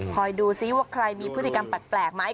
ดูซิว่าใครมีพฤติกรรมแปลกไหม